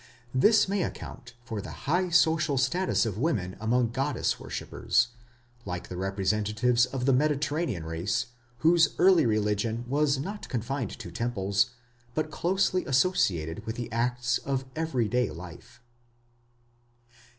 This may account for the high social status of women among goddess worshippers, like the representatives of the Mediterranean race, whose early religion was not confined to temples, but closely associated with the acts of everyday life.